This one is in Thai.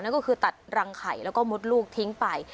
นั่นก็คือตัดรังไข่แล้วก็มดลูกทิ้งไป